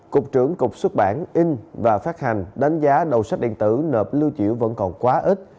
cục trưởng cục xuất bản in và phát hành đánh giá đầu sách điện tử nợ lưu trữ vẫn còn quá ít